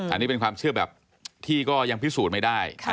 อันนี้เป็นความเชื่อแบบที่ก็ยังพิสูจน์ไม่ได้